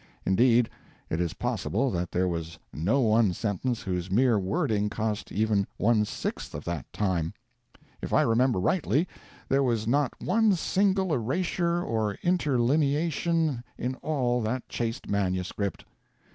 Indeed, it is possible that there was no one sentence whose mere wording cost even one sixth of that time. If I remember rightly, there was not one single erasure or interlineation in all that chaste manuscript.